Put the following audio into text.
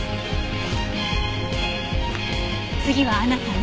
次はあなたね。